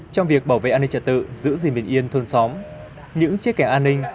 trong việc bảo vệ an ninh trả tự giữ gìn biên yên thôn xóm những chiếc kẻng an ninh